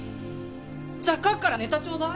じゃあ書くからネタちょうだい。